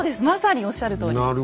まさにおっしゃるとおり。